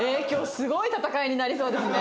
すごい戦いになりそうですね。